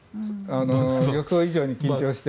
予想以上に緊張して。